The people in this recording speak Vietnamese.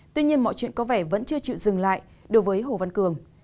tuy nhiên mọi chuyện có vẻ vẫn chưa chịu dừng lại đối với hồ văn cường